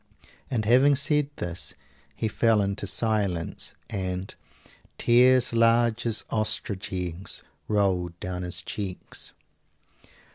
And having said this he fell into silence, and "tears large as ostrich eggs rolled down his cheeks."